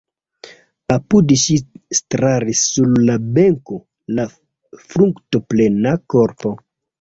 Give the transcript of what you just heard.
Apud ŝi staris sur la benko la fruktoplena korpo.